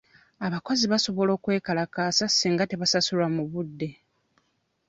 Abakozi basobola okwekalakaasa singa tebasasulwa mu budde.